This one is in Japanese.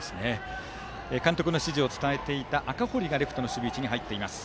監督の指示を伝えていた赤堀がレフトの守備位置に入りました。